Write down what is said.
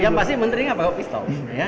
yang pasti menteri nggak bawa pistol